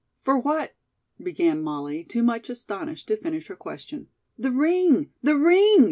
"For what " began Molly, too much astonished to finish her question. "The ring! The ring!